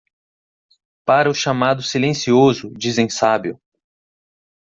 Para o chamado silencioso dizem sábio.